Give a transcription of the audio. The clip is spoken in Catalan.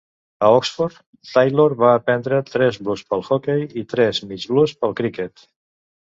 A Oxford, Taylor va aprendre tres blues pel hoquei i tres mig blues pel criquet.